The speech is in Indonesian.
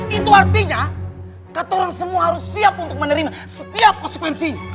itu artinya kata orang semua harus siap untuk menerima setiap konspensinya